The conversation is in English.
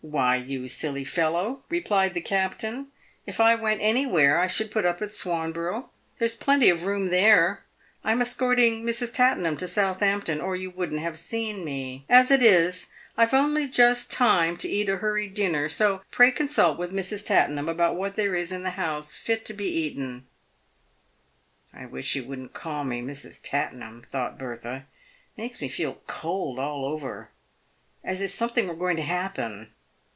"Why, you silly fellow," replied the captain, "if I went anywhere I should put up at Swanborough. There's plenty of room there, I'm escorting Mrs. Tattenham to Southampton, or you wouldn't have seen me. As it is, I've only just time to eat a hurried dinner, so pray consult with Mrs. Tattenham about what there is in the house fit to be eaten." " I wish he wouldn't call me Mrs. Tattenham," thought Bertha. " It makes me feel cold all over, as if something were going to happen.